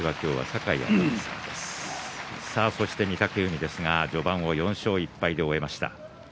そして御嶽海ですが序盤を４勝１敗で終えました。